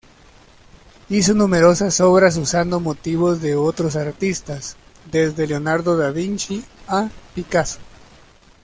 Hizo numerosas obras usando motivos de otros artistas, desde Leonardo da Vinci a Picasso.